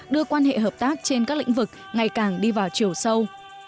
đưa quan hệ hợp tác trên các lĩnh vực ngày càng đi vào chiều sâu